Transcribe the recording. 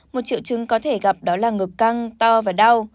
một triệu chứng có thể gặp đó là ngực căng to và đau